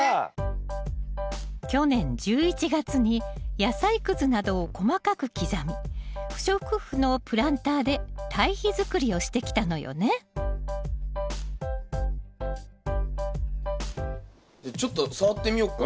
去年１１月に野菜くずなどを細かく刻み不織布のプランターで堆肥づくりをしてきたのよねじゃちょっと触ってみよっか。